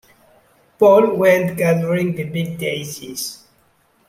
Paul went gathering the big daisies.